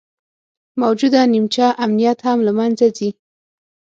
موجوده نیمچه امنیت هم له منځه ځي